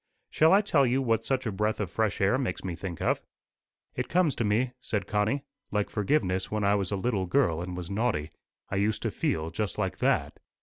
Shall I tell you what such a breath of fresh air makes me think of?" "It comes to me," said Connie, "like forgiveness when I was a little girl and was naughty. I used to feel just like that."